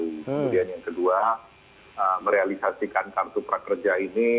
kemudian yang kedua merealisasikan kartu prakerja ini